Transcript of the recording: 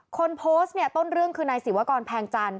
คนโพสต์เนี่ยต้นเรื่องคือนายศิวากรแพงจันท